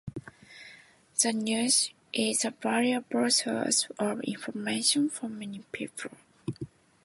The news is a valuable source of information for many people.